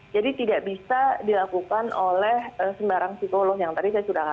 jadi tidak bisa dilakukan oleh sembarang psikolog yang tadi saya sudah katakan